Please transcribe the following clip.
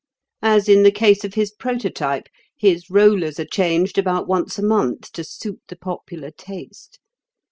As in the case of his prototype, his rollers are changed about once a month to suit the popular taste.